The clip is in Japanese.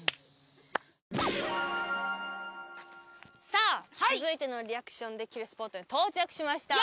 さあ続いてのリアクションできるスポットに到着しました。